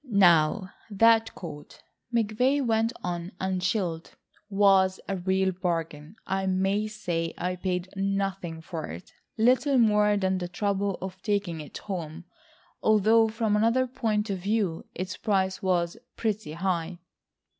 "Now that coat," McVay went on unchilled, "was a real bargain. I may say I paid nothing for it,—little more than the trouble of taking it home. Although from another point of view, its price was pretty high...."